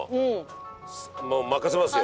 もう任せますよ。